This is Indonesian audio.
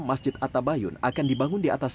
masjid atta bayun akan dibangun di atas